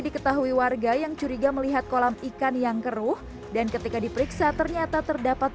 diketahui warga yang curiga melihat kolam ikan yang keruh dan ketika diperiksa ternyata terdapat